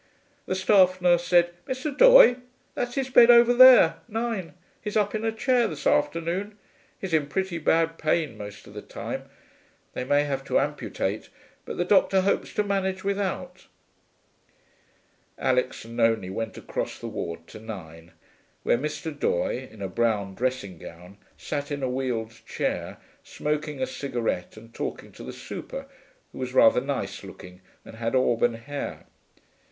The staff nurse said, 'Mr. Doye? That's his bed over there nine. He's up in a chair this afternoon. He's in pretty bad pain most of the time. They may have to amputate, but the doctor hopes to manage without.' Alix and Nonie went across the ward to nine, where Mr. Doye, in a brown dressing gown, sat in a wheeled chair, smoking a cigarette and talking to the super, who was rather nice looking and had auburn hair.